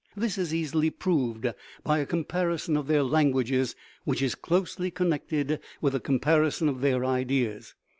That is easily proved by a comparison of their languages, which is closely con nected with the comparison of their ideas.